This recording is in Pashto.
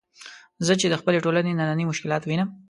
زه چې د خپلې ټولنې نني مشکلات وینم.